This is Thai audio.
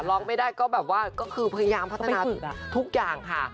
ร้องไม่ได้ก็แบบว่าก็คือพยายามพัฒนาทุกอย่างค่ะ